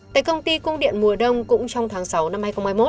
tại công ty cung điện mùa đông cũng trong tháng sáu năm hai nghìn hai mươi một